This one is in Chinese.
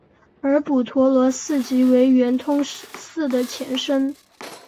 而补陀罗寺即为圆通寺的前身。